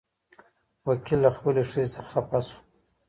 وکيل له خپلې ښځې څخه خپه شو.